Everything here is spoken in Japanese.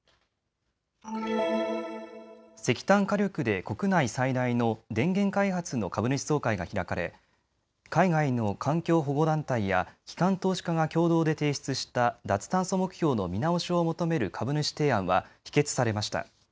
石炭火力で国内最大の電源開発の株主総会が開かれ海外の環境保護団体や機関投資家が共同で提出した脱炭素目標の見直しを求める株主提案は否決されました。